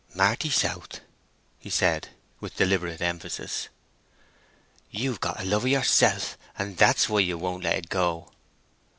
"Marty South," he said, with deliberate emphasis, "you've got a lover yourself, and that's why you won't let it go!"